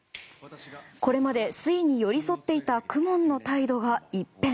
これまですいに寄り添っていた公文の態度が一変！